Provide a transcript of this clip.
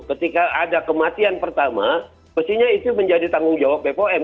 ketika ada kematian pertama pastinya itu menjadi tanggung jawab bpom